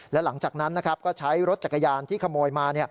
และหลังจากนั้นก็ใช้รถจักรยานที่ขโมยมา